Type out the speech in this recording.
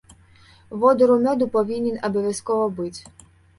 Водар у мёду павінен абавязкова быць.